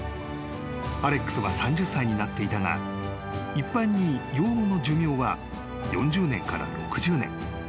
［アレックスは３０歳になっていたが一般にヨウムの寿命は４０年から６０年］